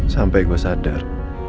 sampai gue sadar